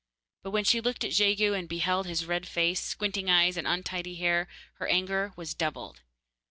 But when she looked at Jegu and beheld his red face, squinting eyes, and untidy hair, her anger was doubled.